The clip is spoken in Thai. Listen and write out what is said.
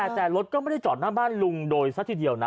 แต่รถก็ไม่ได้จอดหน้าบ้านลุงโดยซะทีเดียวนะ